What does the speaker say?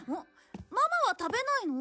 ママは食べないの？